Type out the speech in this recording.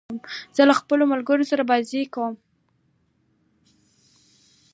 زه له خپلو ملګرو سره بازۍ کوم.